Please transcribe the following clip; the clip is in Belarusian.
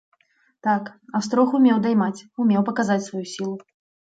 Так, астрог умеў даймаць, умеў паказаць сваю сілу!